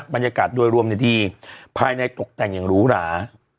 บรรยากาศโดยรวมดีภายในตกแต่งอย่างหรูหรา